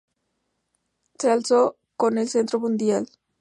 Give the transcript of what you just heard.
Se alzó con el cetro mundial.